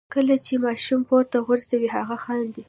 کله چې ماشوم پورته غورځوئ هغه خاندي.